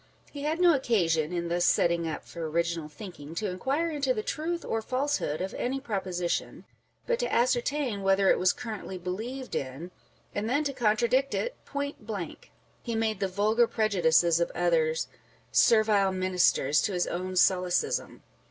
He had no occasion, in thus setting up for original thinking, to inquire into the truth or falsehood of any proposition, but to ascertain 384 On the Difference between whether it was currently believed in, and then to contradict it point blank. He made the vulgar prejudices of others " servile ministers " to his own solecism.